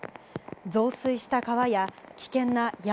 増水した川や危険な山、